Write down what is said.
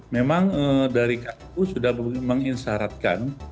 memang dari kpu sudah mengisyaratkan